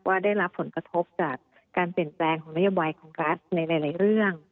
ได้รับผลกระทบจากการเปลี่ยนแปลงของนโยบายของรัฐในหลายเรื่อง